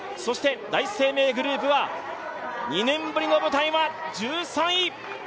第一生命グループは２年ぶりの舞台は１３位。